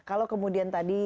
kalau kemudian tadi